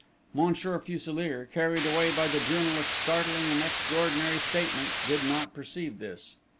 Monsieur Fuselier, carried away by the journalist's startling and extraordinary statements, did not perceive this.